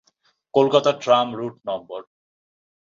Kolkata tram route number.